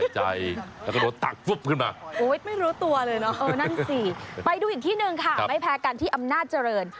ไปดูอีกที่นึงค่ะไอ่แพ้การที่อำนาจเจริญ